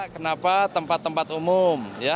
kenapa tempat tempat umum